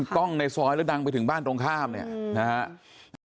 มันก้องในซ้อยและดังไปถึงบ้านตรงข้ามเนี่ย